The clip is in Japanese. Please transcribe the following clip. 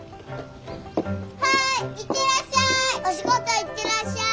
はい行ってらっしゃい！